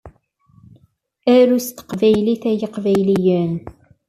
Arut s teqbaylit ay iqbayliyen!